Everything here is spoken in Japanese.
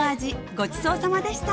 ごちそうさまでした